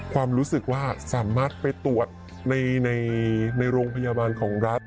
ความรู้สึกว่าสามารถไปตรวจในโรงพยาบาลของรัฐ